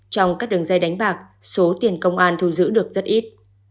trong các đường dây đánh bạc số tiền công an thu giữ được rất ít